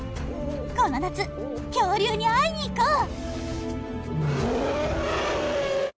この夏恐竜に会いに行こう！